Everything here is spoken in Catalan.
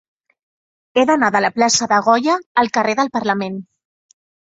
He d'anar de la plaça de Goya al carrer del Parlament.